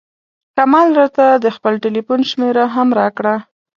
کمال راته د خپل ټیلفون شمېره هم راکړه.